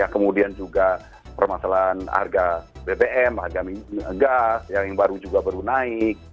kemudian juga permasalahan harga bbm harga gas yang baru juga baru naik